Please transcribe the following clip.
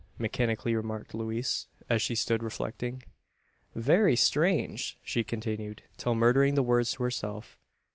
mechanically remarked Louise, as she stood reflecting. "Very strange!" she continued, still muttering the words to herself.